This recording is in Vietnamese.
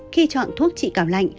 khi chọn thuốc trị cảm lạnh